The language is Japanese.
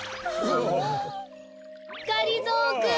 がりぞーくん。